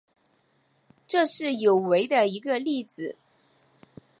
这是有违的一个例子。